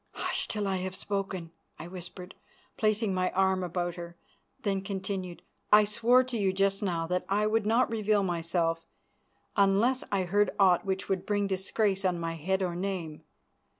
"Hush till I have spoken," I whispered, placing my arm about her; then continued. "I swore to you just now that I would not reveal myself unless I heard aught which would bring disgrace on my head or name.